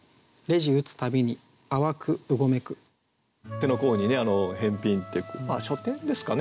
「手の甲に返品」って書店ですかね